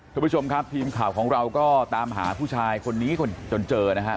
คุณผู้ชมครับทีมข่าวของเราก็ตามหาผู้ชายคนนี้จนเจอนะครับ